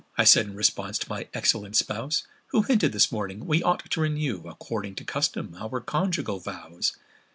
I said in response to my excellent spouse, Who hinted, this morning, we ought to renew According to custom, our conjugal vows.